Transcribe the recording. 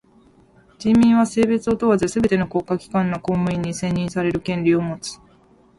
人民は性別を問わずすべての国家機関の公務員に選任される権利をもつ。